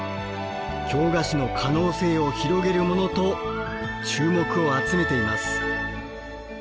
京菓子の可能性を広げるモノと注目を集めています。